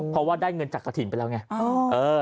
เพราะว่าได้เงินจากกระถิ่นไปแล้วไง